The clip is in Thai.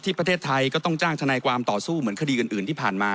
ประเทศไทยก็ต้องจ้างทนายความต่อสู้เหมือนคดีอื่นที่ผ่านมา